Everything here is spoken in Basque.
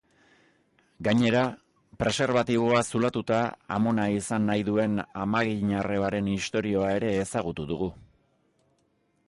Gainera, preserbatiboa zulatuta amona izan nahi duen amaginarrebaern istorioa ere ezagutu dugu.